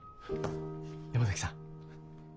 山崎さん。